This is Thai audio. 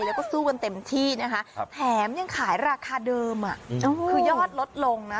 แล้วก็สู้กันเต็มที่นะคะแถมยังขายราคาเดิมคือยอดลดลงนะ